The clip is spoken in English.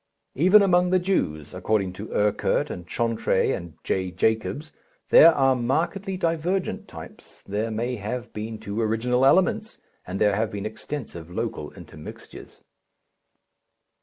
Even among the Jews, according to Erckert and Chantre and J. Jacobs, there are markedly divergent types, there may have been two original elements and there have been extensive local intermixtures.